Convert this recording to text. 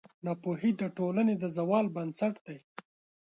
ناپوهي د ټولنې د زوال بنسټ دی.